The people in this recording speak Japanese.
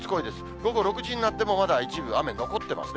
午後６時になってもまだ一部雨残ってますね。